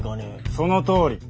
そのとおり。